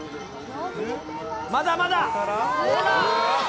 まだまだ。